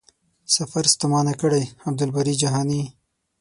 سفر ستومانه کړی.عبدالباري جهاني